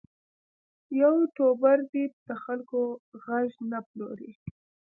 یوټوبر دې د خلکو غږ نه پلوري.